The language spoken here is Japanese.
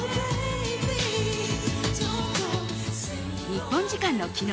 日本時間の昨日